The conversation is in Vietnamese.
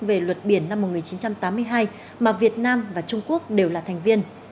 về luật biển năm một nghìn chín trăm tám mươi hai mà việt nam và trung quốc đều là thành viên